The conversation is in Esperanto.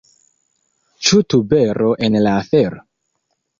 Ĉu tubero en la afero?